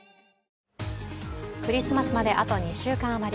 クリスマスまであと２週間余り。